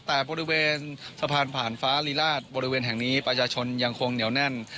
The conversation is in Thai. แต่บริเวณสะพานผ่านฟ้าลีราชบริเวณแห่งนี้ประชาชนยังคงเหนียวแน่น